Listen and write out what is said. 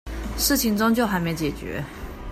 事情終究還沒解決